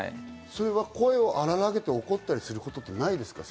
それは声を荒げて怒ったりすることはないですか？